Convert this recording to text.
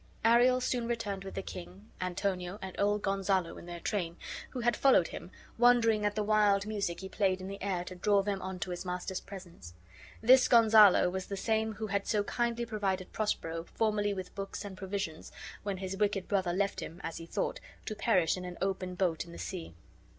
Ariel soon returned with the king, Antonio, and old Gonzalo in their train, who had followed him, wondering at the wild music he played in the air to draw them on to his master's presence. This Gonzalo was the same who had so kindly provided Prospero formerly with books and provisions, when his wicked brother left him, as he thought, to perish in an open boat in the sea.